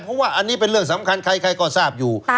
เพราะว่าอันนี้เป็นเรื่องสำคัญใครก็ทราบอยู่